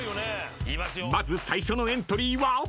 ［まず最初のエントリーは？］